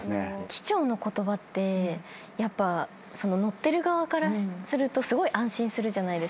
機長の言葉ってやっぱ乗ってる側からするとすごい安心するじゃないですか。